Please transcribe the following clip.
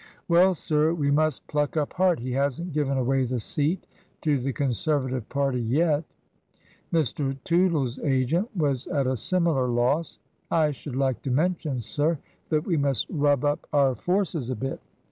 " Well, sir ! 'we must pluck up heart. He hasn't given away the seat to the Conservative party yet." Mr. Tootle's agent was at a similar loss. " I should like to mention, sir, that we must rub up our forces a bit.